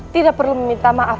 tidak perlu meminta maaf